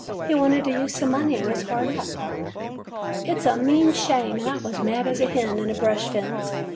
He wanted to use some money, and was hard up.' 'It 's a mean shame !' and I was mad as a hen in a brush fence.